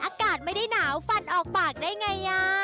อากาศไม่ได้หนาวฟันออกปากได้ไง